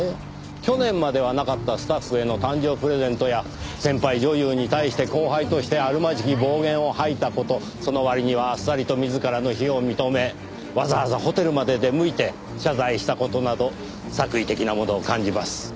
去年まではなかったスタッフへの誕生日プレゼントや先輩女優に対して後輩としてあるまじき暴言を吐いた事その割にはあっさりと自らの非を認めわざわざホテルまで出向いて謝罪した事など作為的なものを感じます。